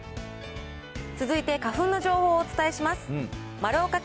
続いて花粉の情報をお伝えします。